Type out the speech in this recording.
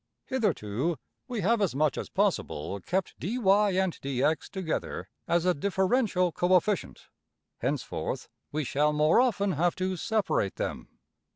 Hitherto we have as much as possible kept $dy$~and~$dx$ together as a differential coefficient: henceforth we shall more often have to separate them.